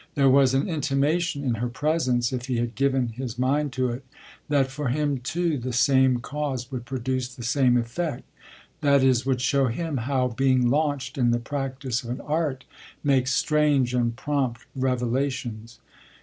There was an intimation in her presence (if he had given his mind to it) that for him too the same cause would produce the same effect that is would show him how being launched in the practice of an art makes strange and prompt revelations.